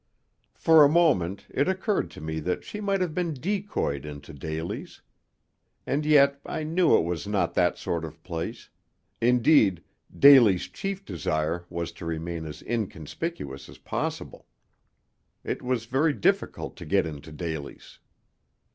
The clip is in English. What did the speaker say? For a moment it occurred to me that she might have been decoyed into Daly's. And yet I knew it was not that sort of place; indeed, Daly's chief desire was to remain as inconspicuous as possible. It was very difficult to get into Daly's.